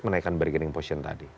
menaikan bergening posisi yang tadi